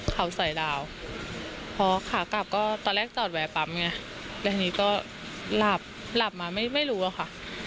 เขาสอยดาวพอขากลับก็ตอนแรกจอดแวะปั๊มไงแล้วทีนี้ก็หลับหลับมาไม่รู้อะค่ะ